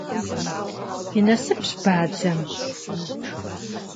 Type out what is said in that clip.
И насыпщ бадзэм.